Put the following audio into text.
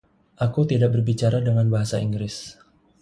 Aku tidak berbicara dengan bahasa Inggris.